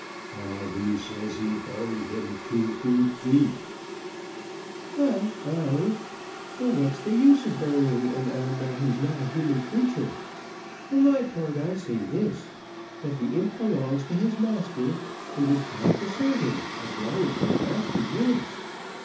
"Why, he says he buried him two feet deep." "Ay, ay; but what's the use of burying an animal who's not a human creature? For my part, I say this, that the imp belongs to his master, and is bound to serve him as long as his master lives.